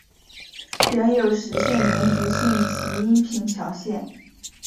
领有实县绵竹县及阴平侨县。